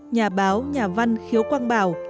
nhà báo nhà văn khiếu quang bảo